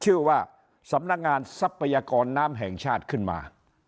ชื่อว่าสำนักงานทรัพยากรน้ำแห่งชาติขึ้นมา